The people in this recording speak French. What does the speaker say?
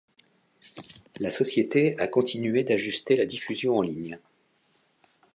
La société a continué d'ajuster la diffusion en ligne.